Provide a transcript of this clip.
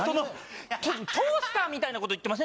ちょっとトースターみたいなこと言ってません？